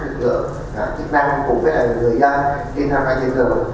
chúng ta cùng với người dân khi ra ngoài trên đường